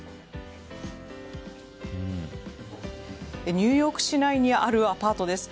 ニューヨーク市内にあるアパートです。